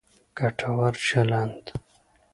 ګټور چلند